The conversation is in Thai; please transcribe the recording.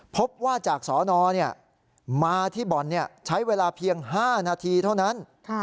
พบว่าจากสนมาที่บ่อนใช้เวลาเพียง๕นาทีเท่านั้น